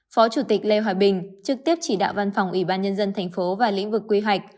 phó chủ tịch lê hoài bình trực tiếp chỉ đạo văn phòng ủy ban nhân dân tp hcm và lĩnh vực quy hoạch